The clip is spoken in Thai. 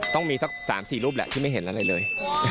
ต้องมีสัก๓๔รูปแหละที่ไม่เห็นอะไรเลย